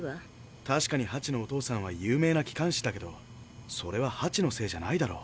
確かにハチのお父さんは有名な機関士だけどそれはハチのせいじゃないだろ。